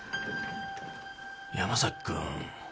山崎君